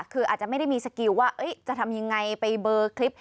คืออาจจะไม่ได้มีสกิลว่าจะทำยังไงไปเบอร์คลิป